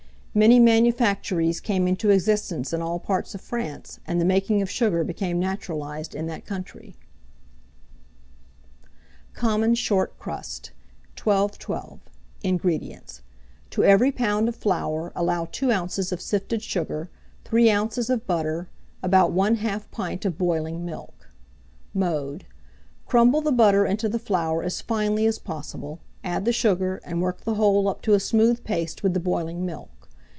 Many manufactories came into existence in all parts of France, and the making of sugar became naturalized in that country. COMMON SHORT CRUST. 1212. INGREDIENTS. To every pound of flour allow 2 oz. of sifted sugar, 3 oz. of butter, about 1/2 pint of boiling milk. Mode. Crumble the butter into the flour as finely as possible, add the sugar, and work the whole up to a smooth paste with the boiling milk.